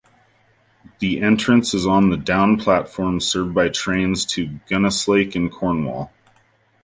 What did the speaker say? The entrance is on the down platform, served by trains to Gunnislake and Cornwall.